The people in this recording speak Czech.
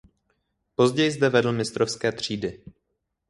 Později zde vedl mistrovské třídy.